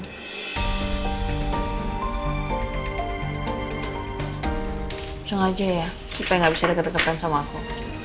bisa gak aja ya supaya gak bisa ada kedekatan sama aku